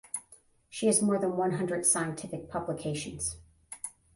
She has more than one hundred scientific publications.